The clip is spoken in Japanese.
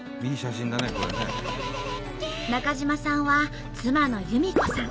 中島さんは妻の由美子さん